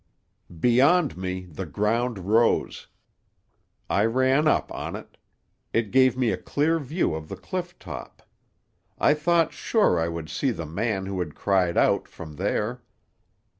"Beyond me the ground rose. I ran up on it. It gave me a clear view of the cliff top. I thought sure I would see the man who had cried out, from there.